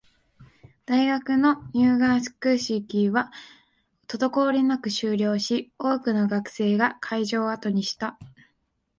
大学の入学式は滞りなく終了し、多くの学生が会場を後にした